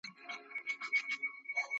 مزل کوم خو په لار نه پوهېږم ,